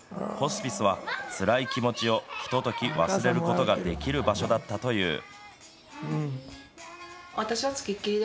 ホスピスはつらい気持ちをひととき忘れることができる場所だったという。